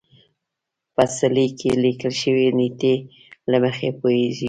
په څلي کې لیکل شوې نېټې له مخې پوهېږو.